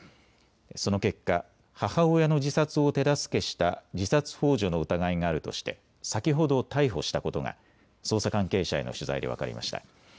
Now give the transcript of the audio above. その結果、母親の自殺を手助けした自殺ほう助の疑いがあるとして先ほど逮捕したことが捜査関係者への取材で分かりました。